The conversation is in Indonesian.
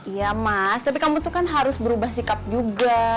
iya mas tapi kamu tuh kan harus berubah sikap juga